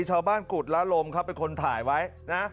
ชาวบ้านกุฎละลมเขาเป็นคนถ่ายไว้นะ